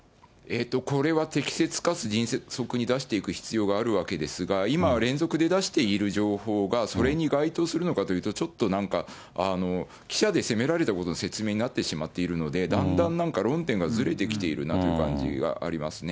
これは適切かつ迅速に出していく必要があるわけですが、今、連続で出している情報がそれに該当するのかというと、ちょっとなんか、記者で攻められたことの説明になってしまっているので、だんだんなんか、論点がずれてきているなという感じはありますね。